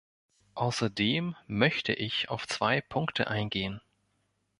Außerdem möchte ich auf zwei Punkte eingehen.